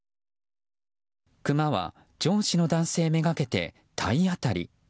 クマは上司の男性目がけて体当たり。